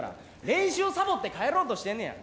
練習サボって帰ろうとしてんねや。